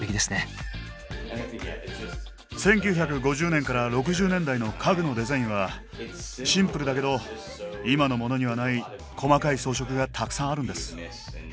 １９５０年から６０年代の家具のデザインはシンプルだけど今のモノにはない細かい装飾がたくさんあるんです。